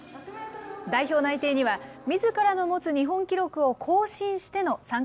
代表内定には、みずからの持つ日本記録を更新しての参加